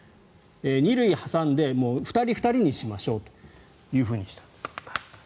２塁を挟んで２人、２人にしましょうとした。